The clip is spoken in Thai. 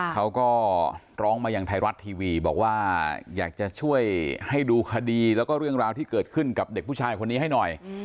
เขาก็ร้องมาอย่างไทยรัฐทีวีบอกว่าอยากจะช่วยให้ดูคดีแล้วก็เรื่องราวที่เกิดขึ้นกับเด็กผู้ชายคนนี้ให้หน่อย